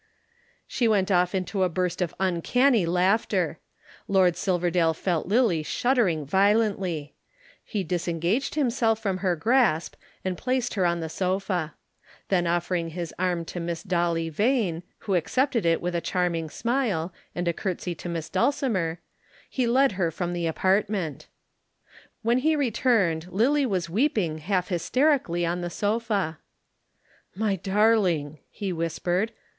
She went off into a burst of uncanny laughter. Lord Silverdale felt Lillie shuddering violently. He disengaged himself from her grasp and placed her on the sofa. Then offering his arm to Miss Dolly Vane, who accepted it with a charming smile, and a curtsey to Miss Dulcimer, he led her from the apartment. When he returned Lillie was weeping half hysterically on the sofa. "My darling!" he whispered.